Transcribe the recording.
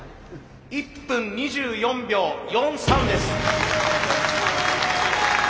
１分２４秒４３です。